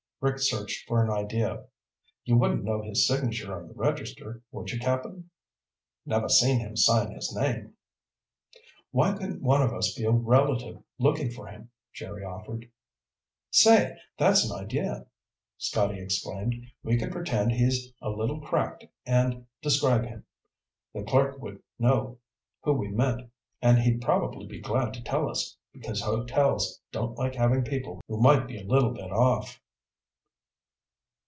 Rick searched for an idea. "You wouldn't know his signature on the register, would you. Cap'n?" "Never seen him sign his name." "Why couldn't one of us be a relative looking for him?" Jerry offered. "Say, that's an idea!" Scotty exclaimed. "We could pretend he's a little cracked and describe him. The clerk would know who we meant, and he'd probably be glad to tell us, because hotels don't like having people who might be a little bit off."